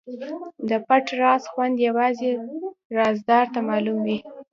د پټ راز خوند یوازې رازدار ته معلوم وي.